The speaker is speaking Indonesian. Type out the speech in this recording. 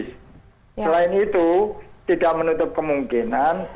selain itu tidak menutup kemungkinan